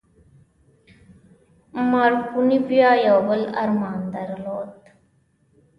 مارکوني بيا يو بل ارمان درلود.